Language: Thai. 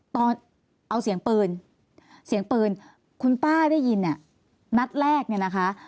ตอนเอาเสียงปืนเสียงปืนคุณป้าได้ยินเนี่ยนัดแรกเนี่ยนะคะ